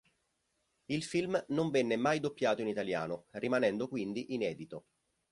Il film non venne mai doppiato in italiano rimanendo quindi inedito.